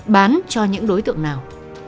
bán cho những đối tượng nào